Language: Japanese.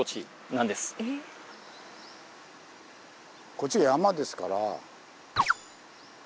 こっちは山ですから。